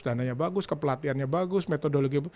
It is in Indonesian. dananya bagus kepelatihannya bagus metodologi